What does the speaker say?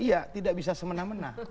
iya tidak bisa semena mena